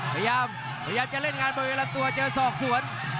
พยายามพยายามจะเล่นงานบริเวณลำตัวเจอศอกสวน